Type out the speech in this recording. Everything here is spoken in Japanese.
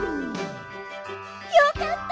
よかった！